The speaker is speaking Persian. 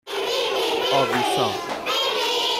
آویسا